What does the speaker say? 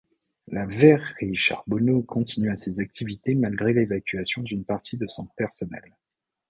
La verrerie Charbonneaux continua ses activités malgré l'évacuation d'une partie de son personnel.